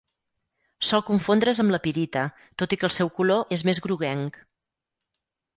Sol confondre's amb la pirita tot i que el seu color és més groguenc.